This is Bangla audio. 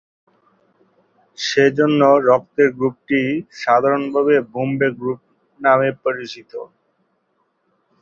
সেজন্য রক্তের গ্রুপটি সাধারণভাবে বোম্বে গ্রুপ নামে পরিচিত।